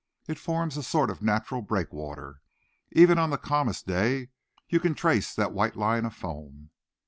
It forms a sort of natural breakwater. Even on the calmest day you can trace that white line of foam."